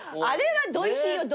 あれはどいひー